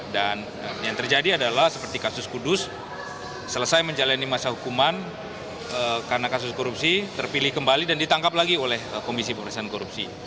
dan yang terjadi adalah seperti kasus kudus selesai menjalani masa hukuman karena kasus korupsi terpilih kembali dan ditangkap lagi oleh komisi pembesaran korupsi